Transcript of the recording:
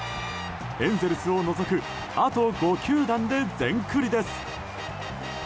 エンゼルスを除くあと５球団で全クリです。